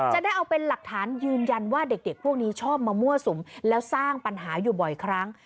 จะได้เอาเป็นหลักฐานยืนยันว่าเด็กพวกนี้ชอบมามั่วสุมแล้วสร้างปัญหาอยู่บ่อยครั้ง